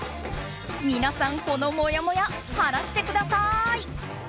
皆さん、このもやもや晴らしてください！